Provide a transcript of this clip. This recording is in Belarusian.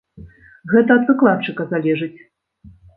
Гэта ад выкладчыка залежыць.